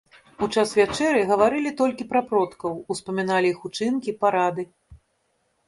У час вячэры гаварылі толькі пра продкаў, успаміналі іх учынкі, парады.